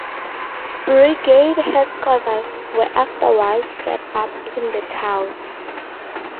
Brigade headquarters were afterwards set up in the town.